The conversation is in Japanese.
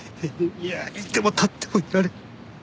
いや居ても立ってもいられず。